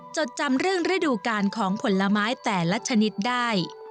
จดจำเรื่องฤดูการของผลไม้แต่ละชนิดได้